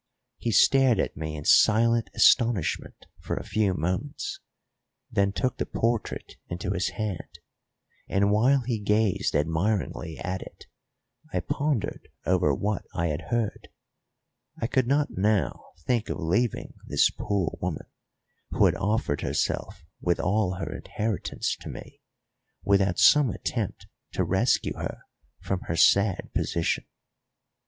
He stared at me in silent astonishment for a few moments, then took the portrait into his hand; and while he gazed admiringly at it I pondered over what I had heard. I could not now think of leaving this poor woman, who had offered herself with all her inheritance to me, without some attempt to rescue her from her sad position.